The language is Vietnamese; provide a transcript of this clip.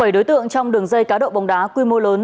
bảy đối tượng trong đường dây cá độ bóng đá quy mô lớn